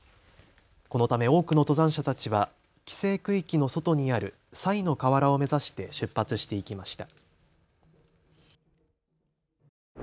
このため多くの登山者たちは規制区域の外にある賽の河原を目指して出発していきました。